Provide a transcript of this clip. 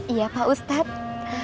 iya pak ustadz